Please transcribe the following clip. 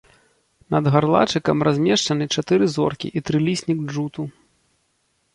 Над гарлачыкам размешчаны чатыры зоркі і трыліснік джуту.